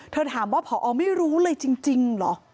ถามว่าพอไม่รู้เลยจริงเหรอ